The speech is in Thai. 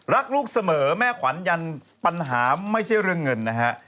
ลูกเสมอแม่ขวัญยันปัญหาไม่ใช่เรื่องเงินนะฮะ